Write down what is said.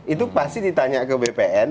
itu pasti ditanya ke bpn